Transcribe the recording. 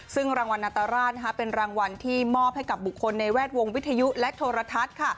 ซึ่งรางวัลนาตราชเป็นรางวัลที่มอบให้กับบุคคลในแวดวงวิทยุและโทรทัศน์